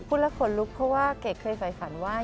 คุณละคนลุกเพราะว่าเกรดเคยฝ่ายฝันว่า